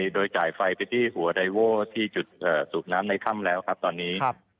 โดยจ่ายไฟไปที่หัวไดโว้ที่จุดสูบน้ำในถ้ำแล้วครับตอนนี้